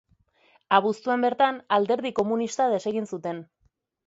Abuztuan bertan Alderdi Komunista desegin zuten.